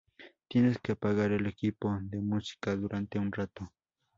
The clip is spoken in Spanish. Tienes que apagar el equipo de música durante un rato.